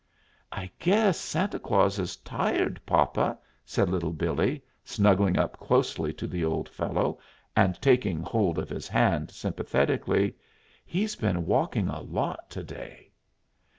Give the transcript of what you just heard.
"I guess Santa Claus is tired, papa," said Little Billee, snuggling up closely to the old fellow and taking hold of his hand sympathetically. "He's been walkin' a lot to day."